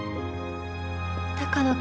鷹野君。